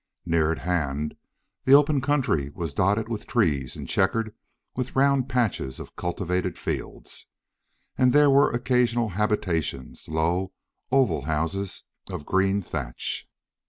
Near at hand the open country was dotted with trees and checkered with round patches of cultivated fields. And there were occasional habitations, low, oval houses of green thatch.